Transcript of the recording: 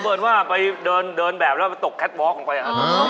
คือเบิร์นว่าไปเดินแบบแล้วตกแคทวอลกอุ่นไปอ่ะ